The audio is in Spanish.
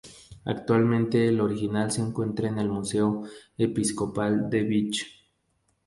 Actualmente el original se encuentra en el Museo Episcopal de Vich.